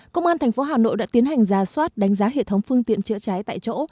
công an tp hà nội đã tiến hành ra soát đánh giá hệ thống phương tiện chữa cháy tại chỗ